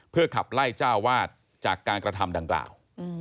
เพื่อขับไล่เจ้าวาดจากการกระทำดั่งสาว